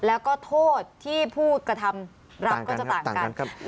แล้วก็โทษที่ผู้กระทำรับก็จะต่างกัน